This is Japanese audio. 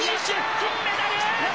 金メダル！